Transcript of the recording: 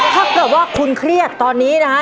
ถ้าเกิดว่าคุณเครียดตอนนี้นะฮะ